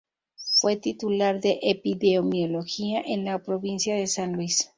Fue titular de epidemiología en la provincia de San Luis.